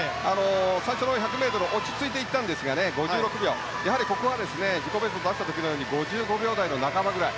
最初の１００ｍを落ち着いていったんですが５６秒やはりここは自己ベストを出した時のように５５秒台の半ばぐらい。